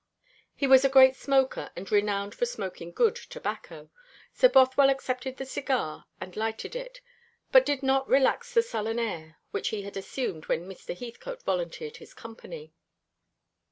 He was a great smoker, and renowned for smoking good tobacco; so Bothwell accepted the cigar and lighted it, but did not relax the sullen air which he had assumed when Mr. Heathcote volunteered his company.